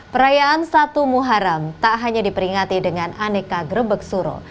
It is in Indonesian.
perayaan satu muharam tak hanya diperingati dengan aneka grebek suro